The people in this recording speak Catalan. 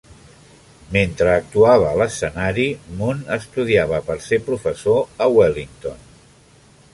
Mentre actuava a l'escenari, Mune estudiava per ser professor a Wellington.